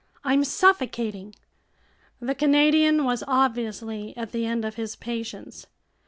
I'm suffocating!" The Canadian was obviously at the end of his patience.